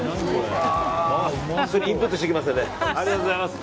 インプットしておきます。